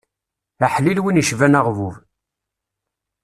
Aḥlil win icban aɣbub.